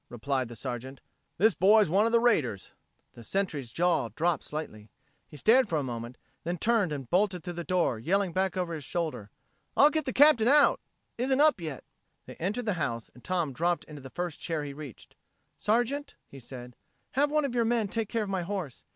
replied the Sergeant. "This boy's one of the raiders." The Sentry's jaw dropped slightly. He stared for a moment, then turned and bolted through the door, yelling back over his shoulder, "I'll get the Captain out. Isn't up yet." They entered the house, and Tom dropped into the first chair he reached. "Sergeant," he said, "have one of your men take care of my horse.